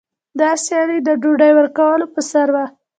دا سیالي د ډوډۍ ورکولو په سر وه.